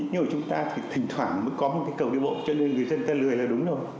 như ở chúng ta thì thỉnh thoảng mới có một cái cầu đưa bộ cho nên người dân tân lười là đúng rồi